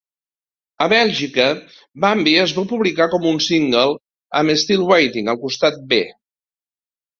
A Bèlgica, "Bambi" es va publicar com un single amb "Still waiting" al costat B.